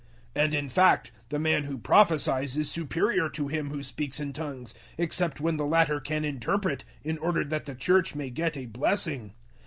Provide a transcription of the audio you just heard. And, in fact, the man who prophesies is superior to him who speaks in `tongues,' except when the latter can interpret in order that the Church may get a blessing.